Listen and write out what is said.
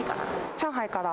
上海から？